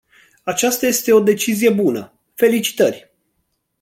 Aceasta este o decizie bună, felicitări!